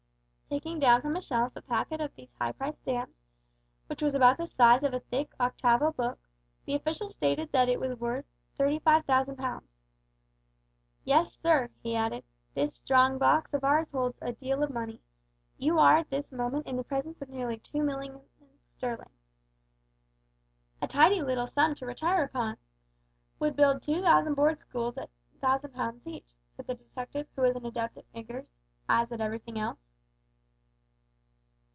Taking down from a shelf a packet of these high priced stamps, which was about the size of a thick octavo book, the official stated that it was worth 35,000 pounds. "Yes, sir," he added, "this strong box of ours holds a deal of money. You are at this moment in the presence of nearly two millions sterling!" "A tidy little sum to retire upon. Would build two thousand Board Schools at a thousand pounds each," said the detective, who was an adept at figures, as at everything else.